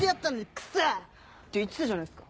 クソ！って言ってたじゃないっすか。